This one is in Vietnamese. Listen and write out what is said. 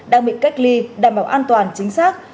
đang bị cách ly đảm bảo an toàn chính xác